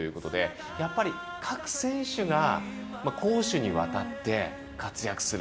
やっぱり、各選手が攻守にわたって活躍する。